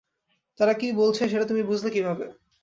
তারা কী বলছে, সেটা তুমি বুঝলে কীভাবে?